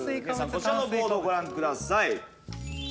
こちらのボードをご覧ください